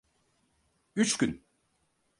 Üç gün.